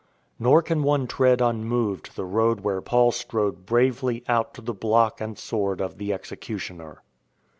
Nor can one tread un moved the road where Paul strode bravely out to the block and sword of the executioner.